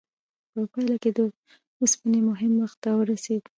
په پایله کې د اوسپنې مهم وخت راورسید.